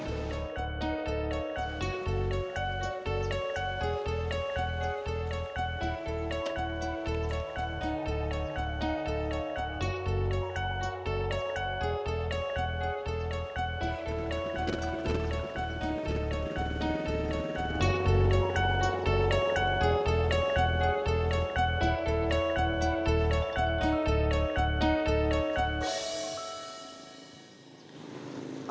gue mau mandi